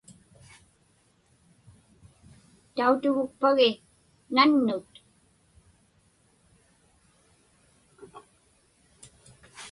Tautugukpagi nannut?